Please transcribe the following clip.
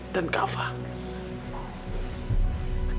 dan kak fadil